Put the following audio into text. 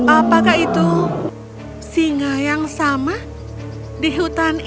apakah itu singa yang sama di hutan ini